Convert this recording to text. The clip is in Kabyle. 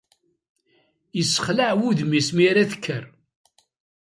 Isexlaɛ wudem-is mi ara d-tekker